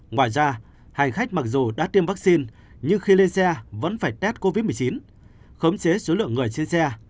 ngoài ra hành khách mặc dù đã tiêm vaccine nhưng khi lên xe vẫn phải test covid một mươi chín khấm chế số lượng người trên xe